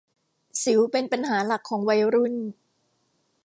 สิวเป็นปัญหาหลักของวัยรุ่น